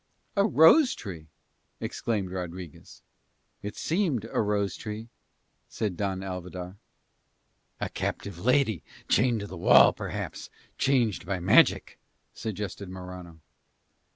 "A rose tree?" exclaimed Rodriguez. "It seemed a rose tree," said Don Alvidar. "A captive lady chained to the wall perhaps, changed by magic," suggested Morano.